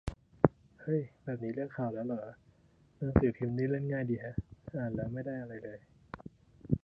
เฮ้ย แบบนี้เรียก 'ข่าว' แล้วเหรอ หนังสือพิมพ์นี่เล่นง่ายดีแฮะ อ่านแล้วไม่ได้อะไรเลย